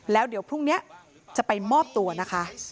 แล้วเดี๋ยวพรุ่งนี้จะไปมอบตัวนะคะ